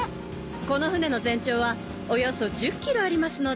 この船の全長はおよそ１０ｋｍありますので。